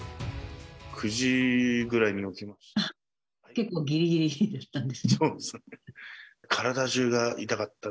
９時ぐらいに起きました。